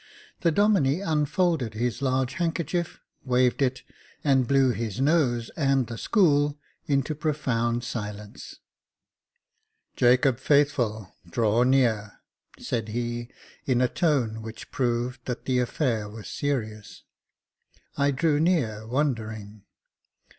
The Domine unfolded his large handkerchief, waved it, and blew his nose and the school into profound silence. Jacob Faithful, draw near," said he, in a tone which proved that the affair was serious. I drew near, wondering.